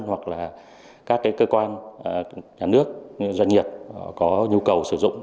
hoặc là các cái cơ quan nhà nước doanh nghiệp có nhu cầu sử dụng